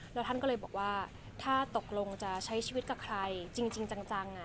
แล้วท่านก็เลยบอกว่าถ้าตกลงจะใช้ชีวิตกับใครจริงจัง